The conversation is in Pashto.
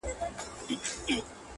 او ستا د خوب مېلمه به-